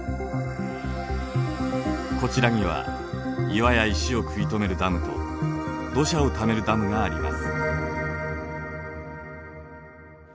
こちらには岩や石を食い止めるダムと土砂をためるダムがあります。